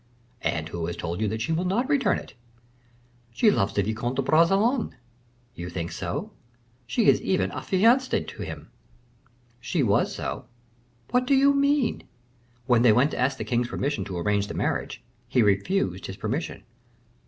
"And who has told you that she will not return it?" "She loves the Vicomte de Bragelonne." "You think so?" "She is even affianced to him." "She was so." "What do you mean?" "When they went to ask the king's permission to arrange the marriage, he refused his permission."